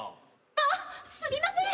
あっすみません！